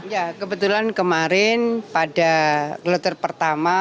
ya kebetulan kemarin pada kloter pertama